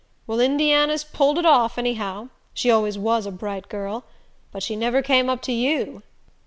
Well, Indiana's pulled it off, anyhow; she always WAS a bright girl. But she never came up to you."